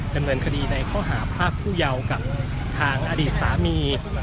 ดำเนินคดีในข้อหาพรากผู้เยาว์กับทางอดีตสามี